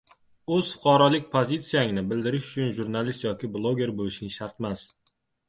Oʻz fuqarolik pozitsiyangni bildirish uchun jurnalist yoki bloger boʻlishing shartmas.